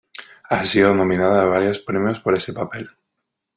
Ha sido nominada a varios premios por este papel.